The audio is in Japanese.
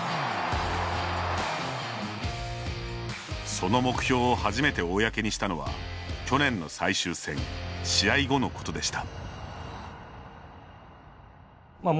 その目標を初めて公にしたのは去年の最終戦試合後のことでした。